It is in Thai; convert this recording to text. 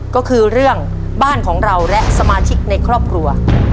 ก็คือเรื่องบ้านของเราและสมาชิกในครอบครัว